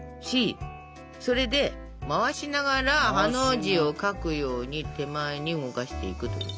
それで回しながらハの字を書くように手前に動かしていくと。